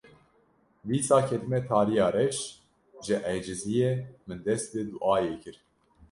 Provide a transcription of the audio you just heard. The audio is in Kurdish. Dîsa ketime tariya reş, ji eciziyê min dest bi duayê kir